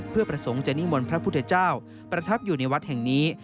เพื่อประสงค์จะนิมนต์พระพุทธเจ้าประทับอยู่ในวัดแห่งนี้